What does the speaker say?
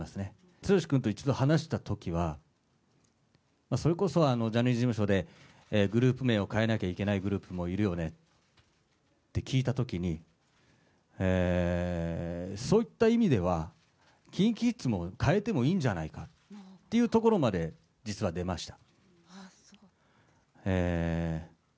剛君と一度話したときは、それこそ、ジャニーズ事務所でグループ名を変えなきゃいけないグループもいるよねって聞いたときに、そういった意味では、ＫｉｎＫｉＫｉｄｓも変えてもいいんじゃないかっていうところまで、実は出ました。